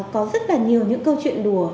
có rất là nhiều những câu chuyện đùa